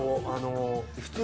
普通